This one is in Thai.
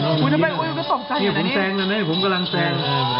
เฮียผมแจงละเนี้ยผมกำลังแจง